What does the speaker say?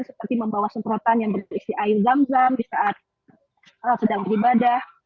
seperti membawa semprotan yang berisi air zam zam di saat sedang beribadah